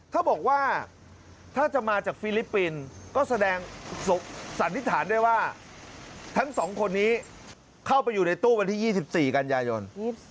ถ้าบอกว่าถ้าจะมาจากฟิลิปปินส์ก็แสดงสันนิษฐานได้ว่าทั้งสองคนนี้เข้าไปอยู่ในตู้วันที่๒๔กันยายน